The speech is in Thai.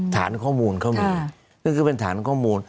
ฐานข้อมูลเขามีนั่นคือเป็นฐานข้อมูล